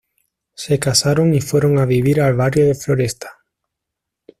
Se casaron y se fueron a vivir al barrio de Floresta.